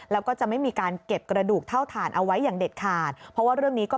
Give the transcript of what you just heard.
แล้วก็จะไม่มีการเก็บกระดูกเถ้าภาค